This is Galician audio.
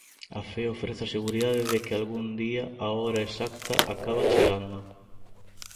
A fe ofrece a seguridade de que algún día a hora exacta acaba chegando.